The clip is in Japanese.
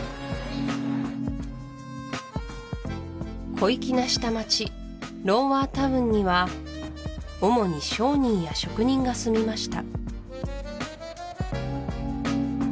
小粋な下町ロウワータウンには主に商人や職人が住みました